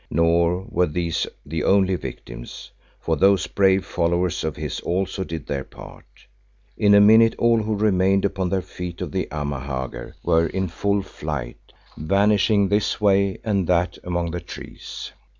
Nor were these the only victims, for those brave followers of his also did their part. In a minute all who remained upon their feet of the Amahagger were in full flight, vanishing this way and that among the trees.